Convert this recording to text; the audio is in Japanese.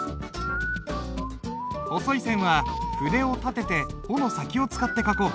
細い線は筆を立てて穂の先を使って書こう。